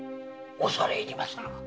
恐れ入りまする。